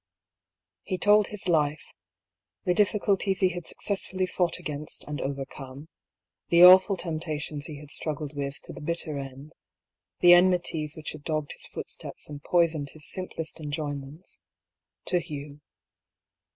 He told his life — THE BEGINNING OP THE SEQUEL. I57 the difficulties he had successfully fought against and overcome, the awful temptations he had struggled with to the bitter end, the enmities which had dogged his footsteps and poisoned his simplest enjoyments— to Hugh.